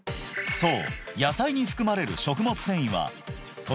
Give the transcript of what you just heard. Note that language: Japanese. そう